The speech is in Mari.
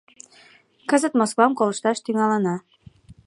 Кызыт Москвам колышташ тӱҥалына.